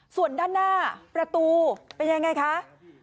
ส่วนด้านหน้าประตูเป็นยังไงคะ